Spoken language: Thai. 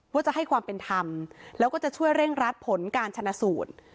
ว่าจะให้ความเป็นธรรมแล้วก็จะช่วยเร่งรัดผลการชนะสูตร